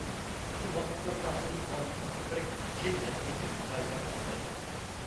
بۇ ۋاقىتلاردا ئۇنىڭ ئاغزىدىن كۆپرەك جىن ھەققىدىكى ھېكايىلەرنى ئاڭلايتتۇق.